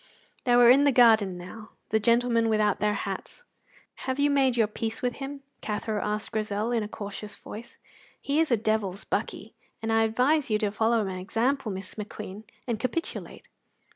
They were in the garden now, the gentlemen without their hats. "Have you made your peace with him?" Cathro asked Grizel, in a cautious voice. "He is a devil's buckie, and I advise you to follow my example, Miss McQueen, and capitulate.